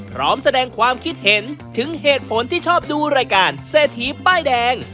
พร้อมแสดงความคิดเห็นถึงเหตุผลที่ชอบดูรายการเศรษฐีป้ายแดง